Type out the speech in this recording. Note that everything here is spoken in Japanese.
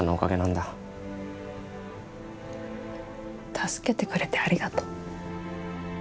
助けてくれてありがとう。